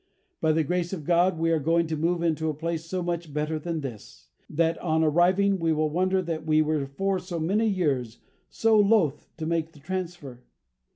By the grace of God we are going to move into a place so much better than this, that on arriving we will wonder that we were for so many years so loath to make the transfer.